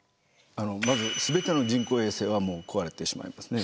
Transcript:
まずすべての人工衛星は壊れてしまいますね。